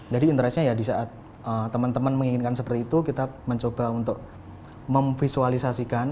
jadi interesnya ya di saat teman teman menginginkan seperti itu kita mencoba untuk memvisualisasikan